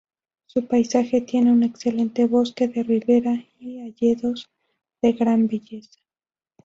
Su paisaje tiene un excelente bosque de rivera y hayedos de gran belleza.